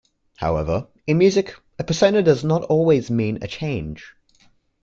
However, in music, a persona does not always mean a change.